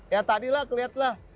ya tadilah kelihatan lah